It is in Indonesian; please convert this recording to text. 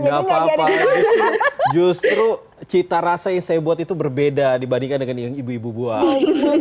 gak apa apa justru cita rasa yang saya buat itu berbeda dibandingkan dengan yang ibu ibu buat